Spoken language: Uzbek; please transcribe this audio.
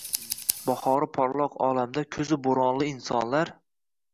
Bahori porloq olamda koʻzi boʻronli insonlar